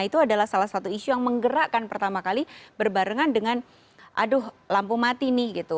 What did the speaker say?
itu adalah salah satu isu yang menggerakkan pertama kali berbarengan dengan aduh lampu mati nih gitu